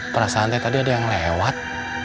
pernah santai tadi ada yang lewat